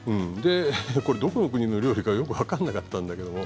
どこの国の料理かよく分からなかったんだけど